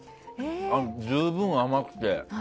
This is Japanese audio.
十分、甘くて。